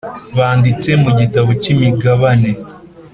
banditse mu gitabo cy imigabane.